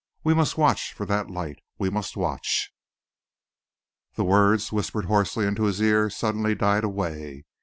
We must watch for that light. We must watch " The words, whispered hoarsely into his ear, suddenly died away.